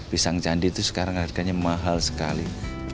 pisang candi itu sekarang harganya mahal sekali